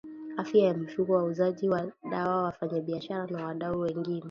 afya ya mifugo wauzaji wa dawa wafanyabiashara na wadau wengine